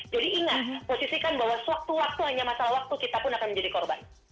jadi ingat posisikan bahwa suatu waktu hanya masalah waktu kita pun akan menjadi korban